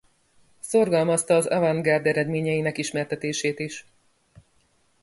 Szorgalmazta az avantgárd eredményinek ismertetését is.